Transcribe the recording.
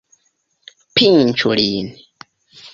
Pinĉu lin!